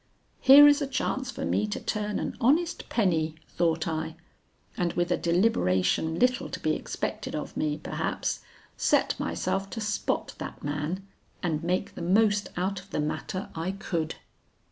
'Here is a chance for me to turn an honest penny,' thought I, and with a deliberation little to be expected of me, perhaps, set myself to spot that man and make the most out of the matter I could.